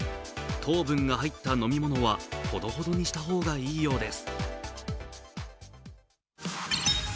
糖分が入った飲み物はほどほどにした方がいいようです。